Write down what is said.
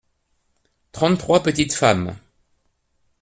Trente-trois petites femmes.